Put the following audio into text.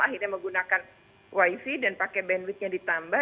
akhirnya menggunakan wifi dan pakai bandwidhnya ditambah